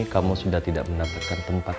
kamu sudah tidak mendapatkan tempat